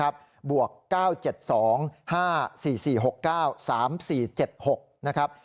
บวก๙๗๒๕๔๔๖๙๓๔๗๖นะครับ